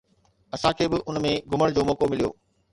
اسان کي به ان ۾ گهمڻ جو موقعو مليو.